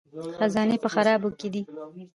خزانې په خرابو کې دي